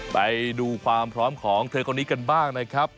ไปดูความพร้อมของเธอคนนี้กันบ้างนะครับ